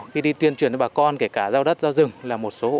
kinh tế mang lại thì bà con tự tuyên truyền lẫn nhau